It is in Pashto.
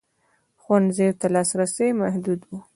ښوونځیو ته لاسرسی محدود و.